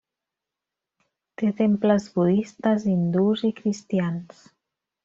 Té temples budistes, hindús i cristians.